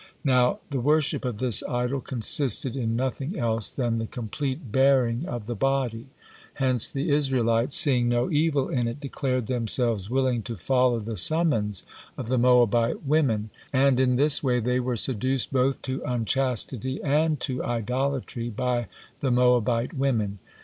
Now the worship of this idol consisted in nothing else than the complete baring of the body, hence the Israelites, seeing no evil in it, declared themselves willing to follow the summons of the Moabite women; and in this way they were seduced both to unchastity and to idolatry by the Moabite women.